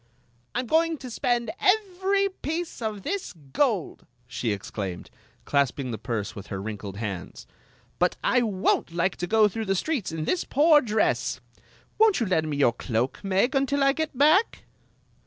"I 'm goin% to spend every piece of this gold!" she exclaimed, clasping the purse with her wrinkled hands. " But I don't like to go through the streets in this'poor dress. Won't you lend me. your cloak, Meg, until 1 get back?"